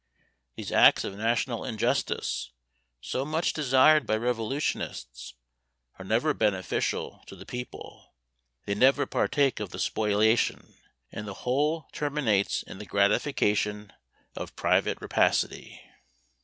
These acts of national injustice, so much desired by revolutionists, are never beneficial to the people; they never partake of the spoliation, and the whole terminates in the gratification of private rapacity.